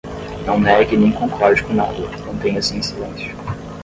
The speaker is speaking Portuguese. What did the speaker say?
Não negue e nem concorde com nada, mantenha-se em silêncio